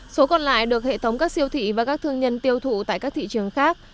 số còn lại được hệ thống các siêu thị và các thương nhân tiêu thụ tại các thị trường khác